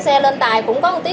chứ nó cũng không ra vé